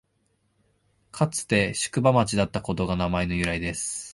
かつて宿場町だったことが名前の由来です